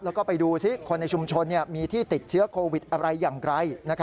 แล้วก็ไปดูซิคนในชุมชนมีที่ติดเชื้อโควิดอะไรอย่างไร